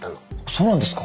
そうなんですか。